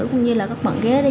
cũng như là các bạn gái